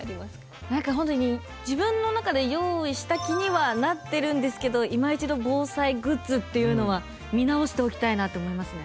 自分の中で用意した気にはなってるんですけどいま一度防災グッズっていうのは見直しておきたいなって思いますね。